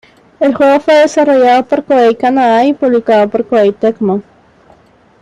El juego fue desarrollado por Koei Canadá y publicado por Koei Tecmo.